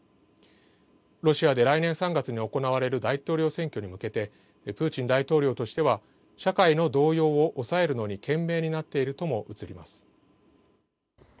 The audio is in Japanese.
ロシアで来年３月に行われる大統領選挙に向けてプーチン大統領としては社会の動揺を抑えるのに懸命になっているとも映ります。